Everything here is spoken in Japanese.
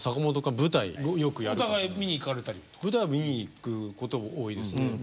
舞台を見に行くことは多いですね。